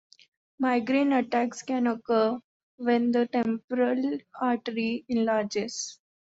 Migraine attacks can occur when the temporal artery enlarges.